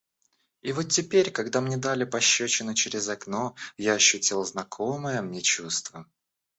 И вот теперь, когда мне дали пощёчину через окно, я ощутил знакомое мне чувство.